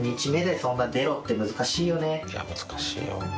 いや難しいよ。